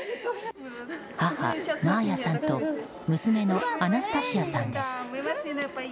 母マーヤさんと娘のアナスタシアさんです。